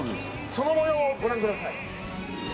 その模様を、ご覧ください。